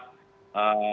tidak mumpak juga untuk